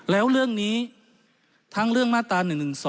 แล้วเรื่องนี้ทั้งเรื่องมาตรา๑๑๒